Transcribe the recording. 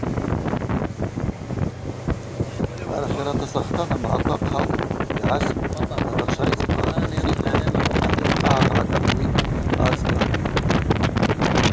Арахьарат асахтан амгӏаква хъалитӏ йгӏаситӏ анат ачвайдзаква гӏакӏнырцӏитӏта ани акъагӏара гӏакӏапӏлитӏ, ацӏла гӏвитӏ.